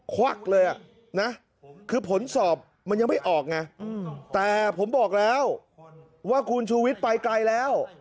ควักเลยนะคือผลสอบมันยังไม่ออกไงแต่ผมบอกแล้วว่าคุณชูวิทย์ไปไกลแล้ว